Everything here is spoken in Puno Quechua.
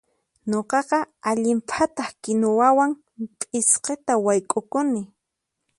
Nuqaqa allin phataq kinuwawan p'isqita wayk'ukuni.